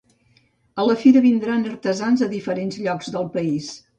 A la fira vindran artesans de diferents llocs del país.